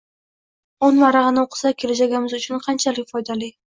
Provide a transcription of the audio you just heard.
O’n varog'ini o'qisak kelajagimiz uchun qanchalik foydali.